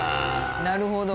なるほど。